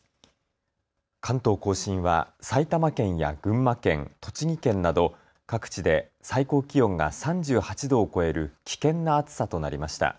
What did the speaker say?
関東甲信は埼玉県や群馬県、栃木県など各地で最高気温が３８度を超える危険な暑さとなりました。